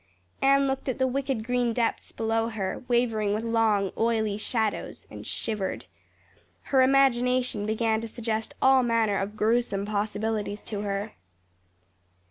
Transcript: Anne looked at the wicked green depths below her, wavering with long, oily shadows, and shivered. Her imagination began to suggest all manner of gruesome possibilities to her.